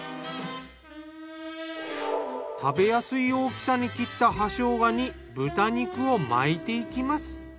食べやすい大きさに切った葉生姜に豚肉を巻いていきます。